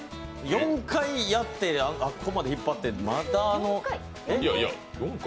４回やって、あっこまで引っ張ってまた４回？